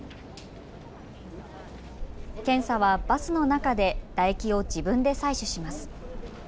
検査はバスの中で、唾液を自分で採取します。